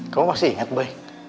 kamu masih inget bu